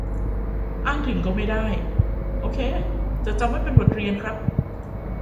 อ้างถึงก็ไม่ได้ โอเค จะจำไว้เป็นบทเรียนครับ